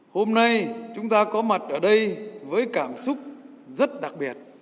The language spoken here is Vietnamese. hôm nay chúng ta có mặt ở đây với cảm xúc